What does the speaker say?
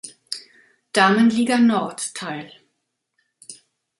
Damenliga Nord teil.